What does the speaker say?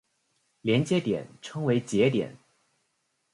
连接点称为节点。